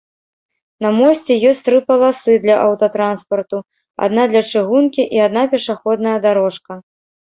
На мосце ёсць тры паласы для аўтатранспарту, адна для чыгункі і адна пешаходная дарожка.